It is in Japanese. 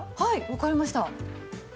わかりました。